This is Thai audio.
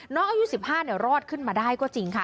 อายุ๑๕รอดขึ้นมาได้ก็จริงค่ะ